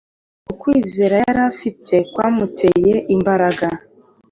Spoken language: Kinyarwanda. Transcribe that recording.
Ukwizera yari afite kwamuteye imbaraga